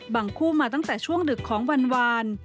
คู่มาตั้งแต่ช่วงดึกของวัน